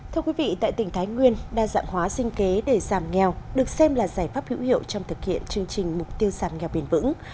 thưa quý vị tại tỉnh thái nguyên đa dạng hóa sinh kế để giảm nghèo được xem là giải pháp hữu hiệu trong thực hiện chương trình mục tiêu giảm nghèo bền vững